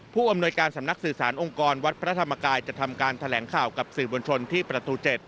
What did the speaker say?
ผู้อำนวยการสำนักสื่อสารองค์กรวัดพระธรรมกายจะทำการแถลงข่าวกับสื่อบนชนที่ประตู๗